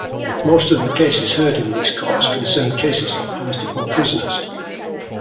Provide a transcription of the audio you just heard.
Most of the cases heard in these courts concern cases of political prisoners.